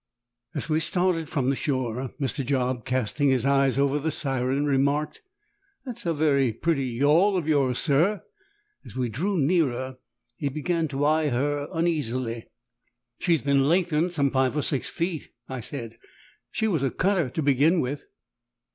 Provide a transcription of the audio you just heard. As we started from the shore Mr. Job, casting his eyes over the Siren, remarked, "That's a very pretty yawl of yours, sir." As we drew nearer, he began to eye her uneasily. "She has been lengthened some five or six feet," I said; "she was a cutter to begin with."